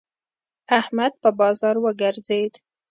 احمد په بازار وګرځېد.